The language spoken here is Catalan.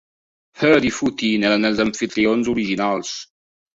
Heard i Foote n'eren els amfitrions originals.